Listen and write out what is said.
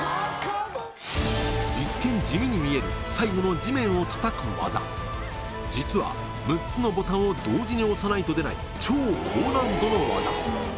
一見地味に見える最後の地面を叩く技実は６つのボタンを同時に押さないと出ない超高難度の技